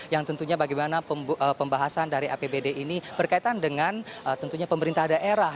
yang tentunya bagaimana pembahasan dari apbd ini berkaitan dengan tentunya pemerintah daerah